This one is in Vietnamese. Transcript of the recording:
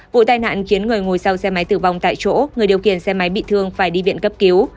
vụ tai nạn khiến người ngồi sau xe máy tử vong tại chỗ người điều khiển xe máy bị thương phải đi viện cấp cứu